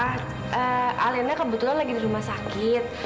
alena kebetulan lagi di rumah sakit